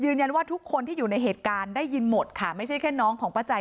แต่จังหวะที่ผ่านหน้าบ้านของผู้หญิงคู่กรณีเห็นว่ามีรถจอดขวางทางจนรถผ่านเข้าออกลำบาก